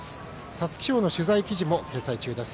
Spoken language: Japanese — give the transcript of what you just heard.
皐月賞の取材記事も掲載中です。